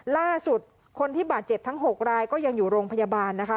ล่าสุดคนที่บาดเจ็บทั้ง๖รายก็ยังอยู่โรงพยาบาลนะคะ